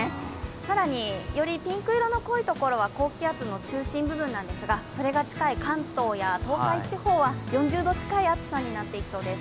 更によりピンク色の濃いところは高気圧の中心部なんですが、それが近い関東や東海は４０度近い暑さになっていきそうです。